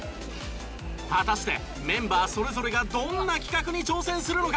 果たしてメンバーそれぞれがどんな企画に挑戦するのか！？